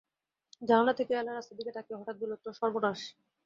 জানালা থেকে এলা রাস্তার দিকে তাকিয়ে হঠাৎ বলে উঠল, সর্বনাশ!